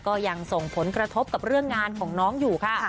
ก็ยังส่งผลกระทบกับเรื่องงานของน้องอยู่ค่ะ